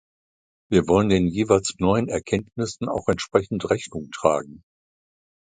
Wir wollen den jeweils neuen Erkenntnissen auch entsprechend Rechnung tragen.